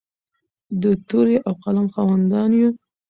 د تورې او قلم خاوندان یو.